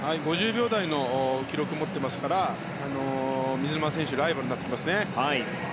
５０秒台の記録を持っていますから水沼選手ライバルになってきますね。